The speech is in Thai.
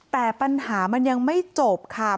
แต่ปัญหามันยังไม่จบค่ะ